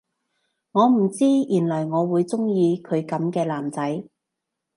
我唔知原來我會鍾意佢噉嘅男仔